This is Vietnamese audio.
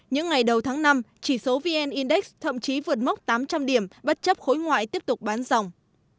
những ngày đầu tháng năm chỉ số vn index thậm chí vượt mốc tám trăm linh điểm bất chấp khối ngoại tiếp tục bán dòng